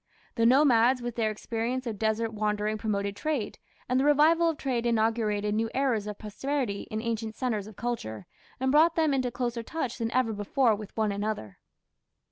The nomads with their experience of desert wandering promoted trade, and the revival of trade inaugurated new eras of prosperity in ancient centres of culture, and brought them into closer touch than ever before with one another.